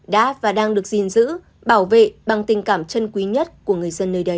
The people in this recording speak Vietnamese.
đã và đang được gìn giữ bảo vệ bằng tình cảm chân quý nhất của người dân nơi đây